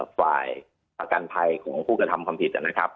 ฝ่ายประกันภัยของผู้กระทำความผิดนะครับ